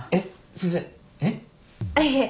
あっいえ